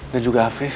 dan juga afif